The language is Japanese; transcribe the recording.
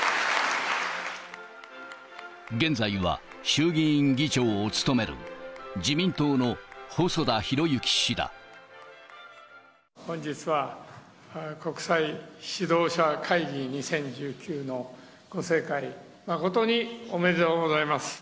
現在は衆議院議長を務める、本日は、国際指導者会議２０１９のご盛会、誠におめでとうございます。